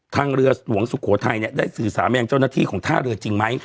ทางเรือหลวงสุโขทัยเนี่ยได้สื่อสามอย่างเจ้าหน้าที่ของท่าเรือจริงไหม